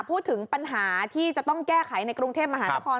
พูดถึงปัญหาที่จะต้องแก้ไขในกรุงเทพมหานคร